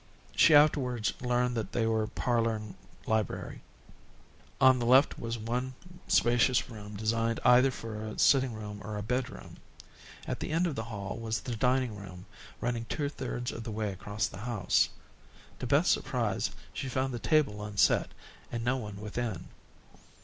She afterwards learned that they were parlor and library. On the left was one spacious room designed either for a sitting room or a bedroom. At the end of the hall was the dining room, running two thirds of the way across the house. To Beth's surprise, she found the table unset, and no one within.